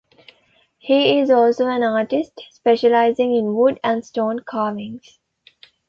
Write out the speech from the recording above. He is also an artist, specializing in wood and stone carvings.